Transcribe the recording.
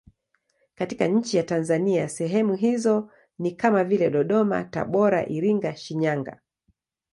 Katika nchi ya Tanzania sehemu hizo ni kama vile Dodoma, Tabora, Iringa, Shinyanga.